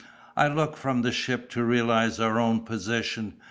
I looked from the ship to realize our own position.